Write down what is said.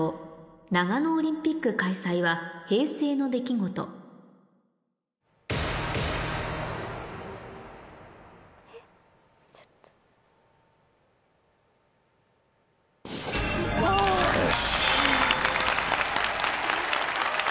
長野オリンピック開催は平成の出来事よし！